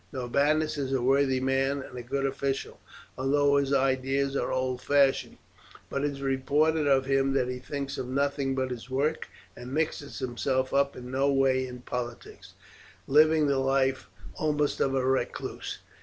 Norbanus is a worthy man and a good official, although his ideas are old fashioned; but it is reported of him that he thinks of nothing but his work, and mixes himself up in no way in politics, living the life almost of a recluse.